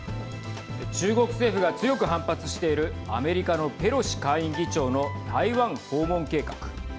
中国政府が強く反発しているアメリカのペロシ下院議長の台湾訪問計画。